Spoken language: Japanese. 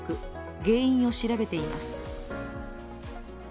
原因を調べています。